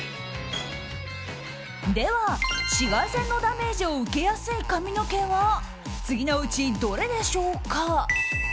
では、紫外線のダメージを受けやすい髪の毛は次のうちどれでしょうか。